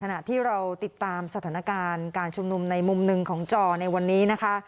ขณะที่เราติดตามสถานการณ์การชุมนุมในมุมหนึ่งของจอในวันนี้นะคะ